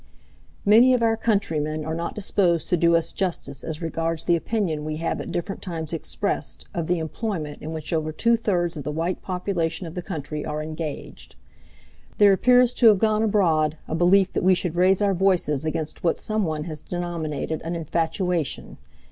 Many of our countrymen are not disposed to do us justice as regards the opinion we have at different times expressed of the employment in which over two thirds of the white population of the country are engaged. There appears to have gone abroad a belief that we should raise our voices against what some one has denominated an "infatuation."